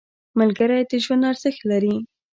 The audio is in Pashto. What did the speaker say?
• ملګری د ژوند ارزښت لري.